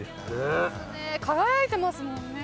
輝いてますもんね